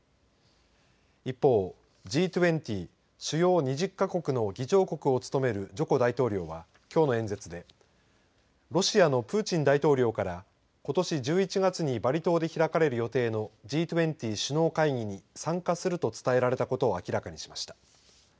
一方、Ｇ２０主要２０か国の議長国を務めるジョコ大統領はきょうの演説でロシアのプーチン大統領からことし１１月にバリ島で開かれる予定のＧ２０首脳会議に参加すると伝えられたことを明らかにしました。